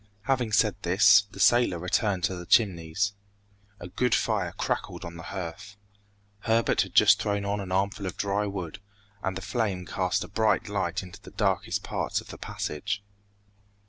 Having said this, the sailor returned to the Chimneys. A good fire crackled on the hearth. Herbert had just thrown on an armful of dry wood, and the flame cast a bright light into the darkest parts of the passage.